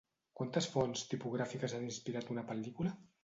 Quantes fonts tipogràfiques han inspirat una pel·lícula?